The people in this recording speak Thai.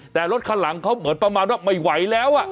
แต่รถคันหลังเขาเหมือนประมาณว่าไม่ไหวแล้ว